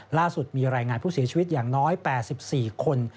ล่าสุดมีรายงานผู้เสียชีวิตอย่างน้อย๘๔คน